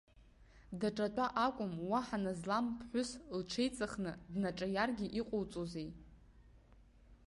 Даҿатәа акәым, уаҳа назлам аԥҳәыс, лҽеиҵыхны днаҿаиаргьы иҟоуҵозеи!